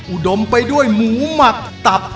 อุดมไปด้วยหมูหมักตับ